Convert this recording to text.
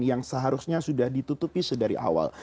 yang seharusnya sudah ditutupi sedari awal